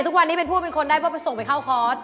ทุกวันนี้เป็นผู้เป็นคนได้ว่าไปส่งไปเข้าคอร์ส